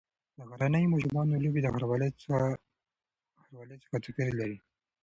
د غرنیو ماشومانو لوبې د ښاروالۍ څخه توپیر لري.